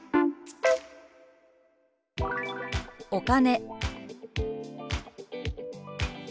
「お金」。